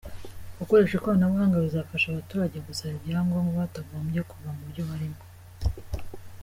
Gukoresha ikoranabuhanga bizafasha abaturage gusaba ibyangombwa, batagombye kuva mu byo barimo”.